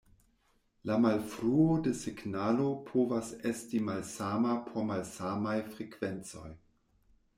La malfruo de signalo povas esti malsama por malsamaj frekvencoj.